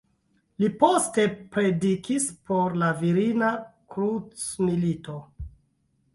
Li poste predikis por la Kvina krucmilito.